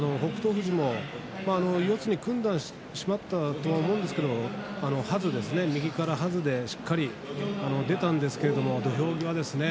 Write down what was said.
富士も四つに組んでしまったと思うんですけれど右から、はずでしっかり出たんですけれど、土俵際ですね。